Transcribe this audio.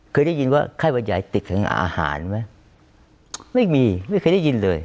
เคยได้ยินว่าไข้หวัดใหญ่ติดถึงอาหารไหมไม่มีไม่เคยได้ยินเลย